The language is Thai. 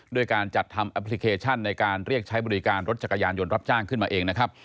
ด้วยการจัดทำแอปพลิเคชันในการเรียกใช้บริการรถจักรยานยนต์รับจ้างขึ้นมาเองนะครับ